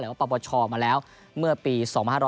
หรือว่าปรบชอบมาแล้วเมื่อปี๒๕๕๘